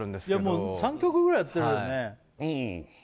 もう３曲ぐらいやってるよね